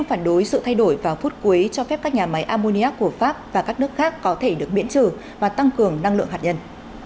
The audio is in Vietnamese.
nghị viện châu âu đã đặt năng lượng tái tạo vào phút cuối cho phép các nhà máy ammonia của pháp và các nước khác có thể được biển trừ và tăng cường năng lượng hạt nhân